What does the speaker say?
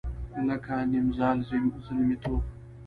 لکه نیمزال زلمیتوب